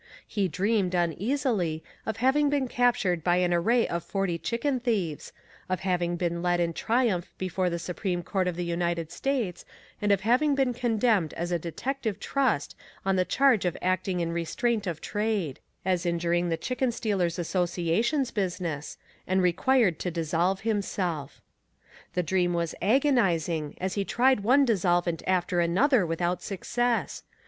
He dreamed, uneasily, of having been captured by an array of forty chicken thieves, of having been led in triumph before the Supreme Court of the United States, and of having been condemned as a Detective Trust on the charge of acting in restraint of trade as injuring the Chicken Stealers' Association's business and required to dissolve himself. The dream was agonizing as he tried one dissolvent after another without success.